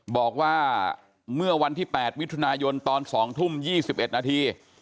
บอกว่าเมื่อวันที่๘มิถุนายนตอน๒ทุ่ม๒๑นาที